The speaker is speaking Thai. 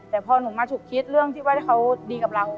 แต่พอหนูมาฉุกคิดเรื่องที่ว่าเขาดีกับเรา